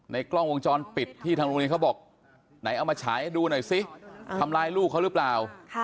กล้องวงจรปิดที่ทางโรงเรียนเขาบอกไหนเอามาฉายให้ดูหน่อยซิทำร้ายลูกเขาหรือเปล่า